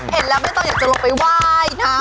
เห็นแล้วไม่ต้องอยากจะลงไปไหว้นะ